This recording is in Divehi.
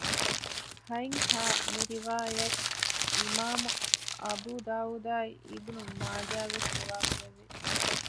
ހަތް ހ މިރިވާޔަތް އިމާމު އަބޫދާއޫދާއި އިބްނު މާޖާވެސް ރިވާކުރެއްވި